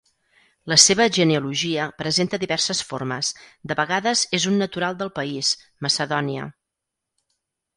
La seva genealogia presenta diverses formes: de vegades és un natural del país, Macedònia.